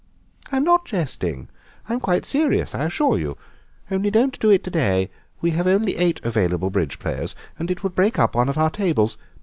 "I'm not jesting, I'm quite serious, I assure you. Only don't do it to day; we have only eight available bridge players, and it would break up one of our tables.